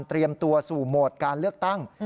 เตรียมตัวสู่โหมดการเลือกตั้ง